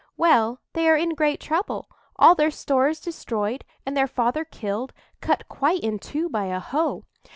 "Well, they are in great trouble; all their stores destroyed, and their father killed—cut quite in two by a hoe."